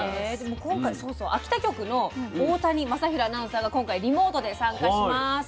今回秋田局の大谷昌弘アナウンサーが今回リモートで参加します。